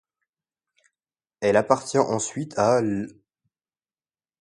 Elle appartient ensuite à l'.